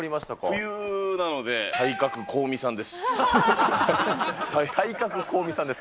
冬なので、体格香美さんです。